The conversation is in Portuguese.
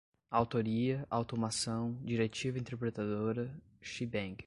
autoria, automação, diretiva interpretadora, shebang